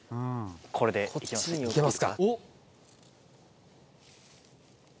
これでいけます。